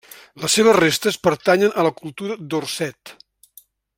Les seves restes pertanyen a la cultura Dorset.